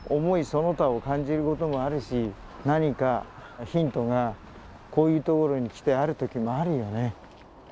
その他を感じることもあるし何かヒントがこういうところに来てある時もあるよね。